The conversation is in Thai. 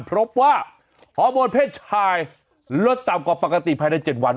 พบว่าฮอร์โมนเพศชายลดต่ำกว่าปกติภายใน๗วัน